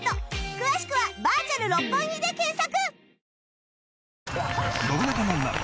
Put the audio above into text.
詳しくはバーチャル六本木で検索